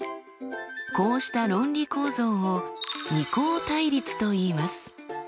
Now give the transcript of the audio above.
こうした論理構造を二項対立といいます。